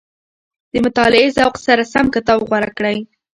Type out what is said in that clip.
د مطالعې ذوق سره سم کتاب غوره کړئ.